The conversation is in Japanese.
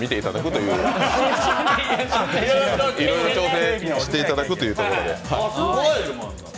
いろいろ調整していただくというところで。